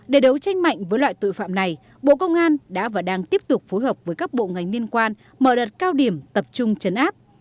để đấu tranh mạnh với loại tội phạm này bộ công an đã và đang tiếp tục phối hợp với các bộ ngành liên quan mở đợt cao điểm tập trung chấn áp